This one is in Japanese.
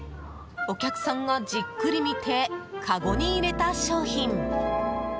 お客さんがじっくり見てかごに入れた商品。